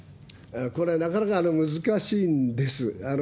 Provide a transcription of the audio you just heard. これ、なかなか難しいんです。